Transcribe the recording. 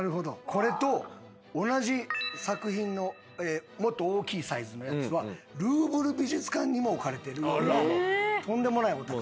これと同じ作品のもっと大きいサイズのやつはルーブル美術館にも置かれてるようなとんでもないお宝。